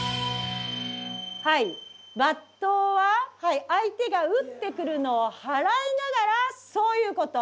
はい抜刀は相手が打ってくるのを払いながらそういうこと。